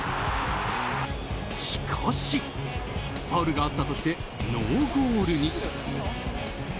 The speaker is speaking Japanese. しかしファウルがあったとしてノーゴールに。